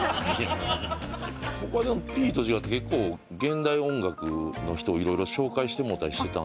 僕はＰと違って結構現代音楽の人を色々紹介してもうたりしてた。